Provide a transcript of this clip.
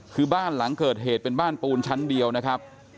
คือบ้านหลังเกิดเหตุเป็นบ้านปูนชั้นเดียวนะครับ